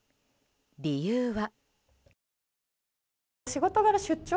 理由は。